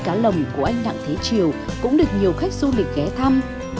cá lồng của anh đặng thế triều cũng được nhiều khách du lịch ghé thăm